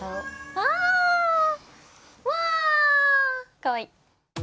かわいい！